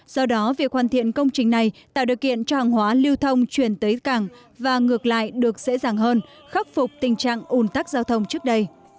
do đó việc hoàn thiện công trình này tạo điều kiện cho hàng hóa lưu thông chuyển tới cảng và ngược lại được dễ dàng hơn khắc phục tình trạng ủn tắc giao thông trước đây